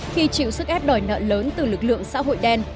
khi chịu sức ép đòi nợ lớn từ lực lượng xã hội đen